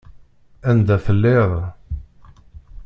Anda telliḍ!